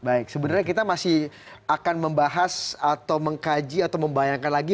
baik sebenarnya kita masih akan membahas atau mengkaji atau membayangkan lagi